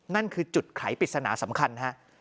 นั่นคือจุดไขปริศนาสำคัญฮะ